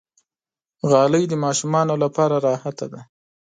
غالۍ د ماشومانو لپاره راحته ده.